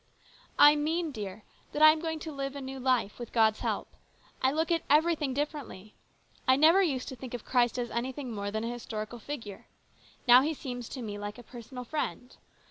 " I mean, dear, that I am going to live a new life, with God's help. I look at everything differently. I never used to think of Christ as anything more than a historical figure. Now He seems to me like a personal friend.